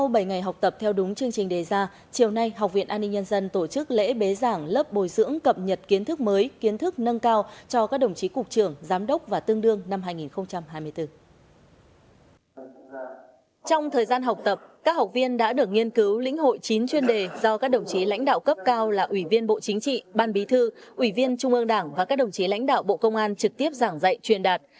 bộ trưởng nghiên cứu lĩnh hội chín chuyên đề do các đồng chí lãnh đạo cấp cao là ủy viên bộ chính trị ban bí thư ủy viên trung ương đảng và các đồng chí lãnh đạo bộ công an trực tiếp giảng dạy truyền đạt